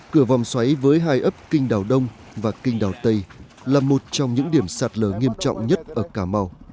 cửa vòng xoáy với hai ấp kinh đào đông và kinh đào tây là một trong những điểm sạt lở nghiêm trọng nhất ở cà mau